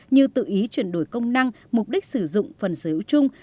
như tự ý chuyển đổi công năng mục đích sử dụng phần sở hữu chung